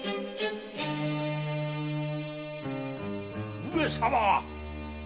・上様！